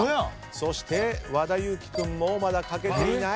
そして和田優希君もまだ書けていない。